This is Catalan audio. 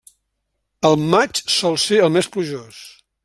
El maig sol ser el més plujós.